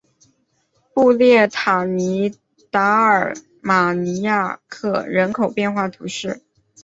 布列塔尼达尔马尼亚克人口变化图示